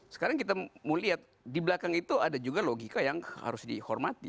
sekarang kita mau lihat di belakang itu ada juga logika yang harus dihormati